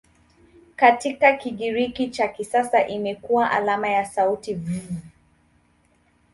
Katika Kigiriki cha kisasa imekuwa alama ya sauti "V".